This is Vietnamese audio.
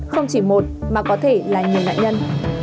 không chỉ một mà có thể là nhiều nạn nhân